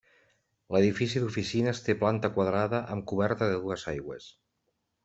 L'edifici d'oficines té planta quadrada amb coberta a dues aigües.